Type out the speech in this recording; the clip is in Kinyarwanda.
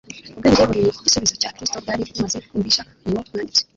Ubwenge buri mu gisubizo cya Kristo bwari bumaze kumvisha uwo mwanditsi.